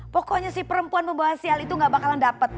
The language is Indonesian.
pokoknya si perempuan membawa sial itu gak bakalan dapat